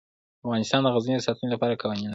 افغانستان د غزني د ساتنې لپاره قوانین لري.